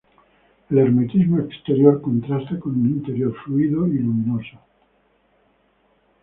El hermetismo exterior contrasta con un interior fluido y luminoso.